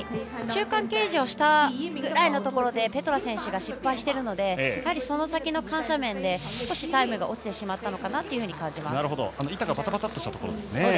中間掲示をしたぐらいのところでぺトラ選手が失敗しているのでその先の緩斜面で少しタイムが落ちてしまったのかなと感じます。